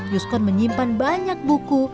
yuskon menyimpan banyak buku